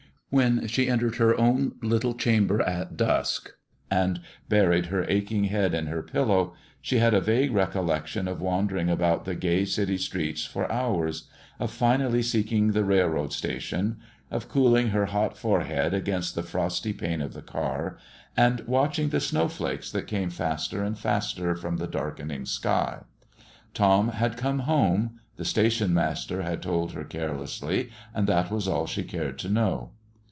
When she entered her own little chamber at dusk and buried her aching head in her pillow, she had a vague recollection of wandering about the gay city streets for hours, of finally seeking the railroad station, of cooling her hot forehead against the frosty pane of the car, and watching the snowflakes that came faster and faster from the darkening sky. Tom had come home, the station master had told her carelessly, and that was all she cared to know.